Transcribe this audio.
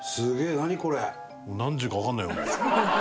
何時かわかんないよ